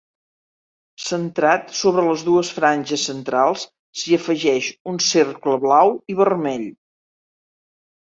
Centrat sobre les dues franges centrals s'hi afegeix un cercle blau i vermell.